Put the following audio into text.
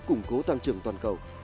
củng cố tăng trưởng toàn cầu